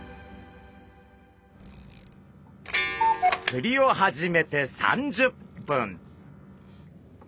釣りを始めて３０分。